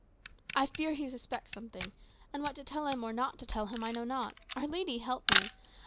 "I fear he suspects something; and what to tell him, or not to tell him, I know not Our Lady help me!